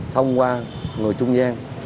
thông qua người trung gian